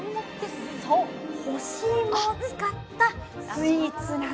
そう干しいもを使ったスイーツなんです。